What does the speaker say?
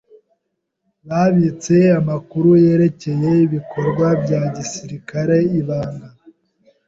Babitse amakuru yerekeye ibikorwa bya gisirikare ibanga.